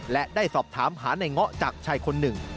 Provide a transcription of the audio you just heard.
และได้สอบถามหาในเงาะจากชายคนหนึ่ง